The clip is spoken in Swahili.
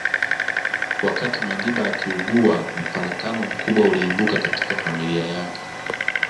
Wakati Madiba akiugua mfarakano mkubwa uliibuka katika familia yake